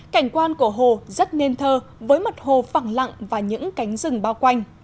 cảnh quan của hồ rất nên thơ với mặt hồ phẳng lặng và những cánh rừng bao quanh